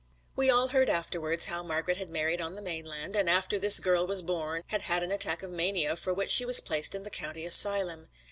We all heard afterwards how Margret had married on the mainland, and after this girl was born had had an attack of mania, for which she was placed in the county asylum.